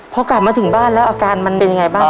พอกลับมาถึงบ้านแล้วอาการมันเป็นยังไงบ้าง